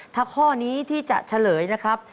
ถ้าข้อนี้ที่จะเฉลยนะครับ